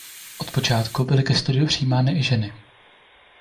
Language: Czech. Od počátku byly ke studiu přijímány i ženy.